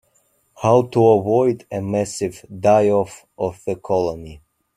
How to avoid a massive die-off of the colony.